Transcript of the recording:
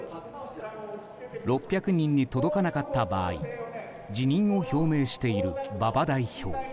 ６００人に届かなかった場合辞任を表明している馬場代表。